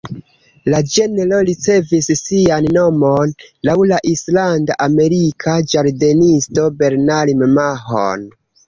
La genro ricevis sian nomon laŭ la irlanda-amerika ĝardenisto Bernard M’Mahon.